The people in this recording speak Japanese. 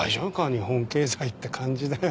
日本経済って感じだよ